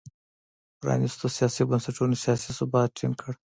پرانیستو سیاسي بنسټونو سیاسي ثبات ټینګ کړ.